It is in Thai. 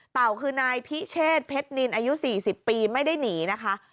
เต่าคือนายพิเชษเพชรนินอายุ๔๐ปีไม่ได้หนีนะคะ